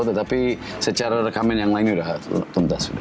tetapi secara rekaman yang lain sudah tuntas